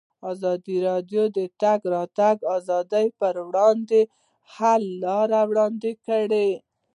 ازادي راډیو د د تګ راتګ ازادي پر وړاندې د حل لارې وړاندې کړي.